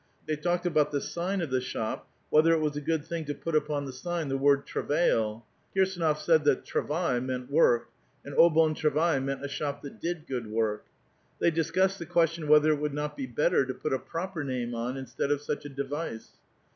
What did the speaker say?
They talked about the sign of the shop, whether it was a good thing to put upon the sign the word travail. Kirsdnof said that travail meant work^ and Au Bon Travail meant a shop tliat did good work. They discussed the question whether it would not be better to put a proper name on instead of such a device.